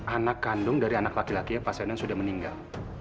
anak kandung dari anak laki laki yang pak seno sudah meninggal